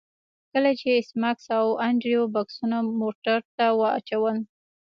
کله چې ایس میکس او انډریو بکسونه موټر ته اچول